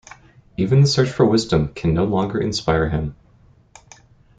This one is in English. Even the search for wisdom can no longer inspire him.